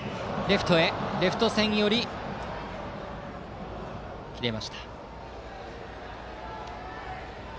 レフト線、切れました。